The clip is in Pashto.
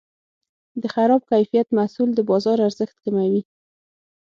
د خراب کیفیت محصول د بازار ارزښت کموي.